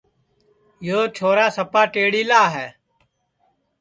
یو چھورا سپا ٹیڑِیلا ہے